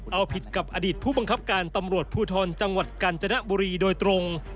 เอาผิดกับอดีตผู้บังคับการตำรวจภูทรจังหวัดกาญจนบุรีโดยตรง